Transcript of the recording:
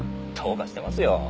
どうかしてますよ。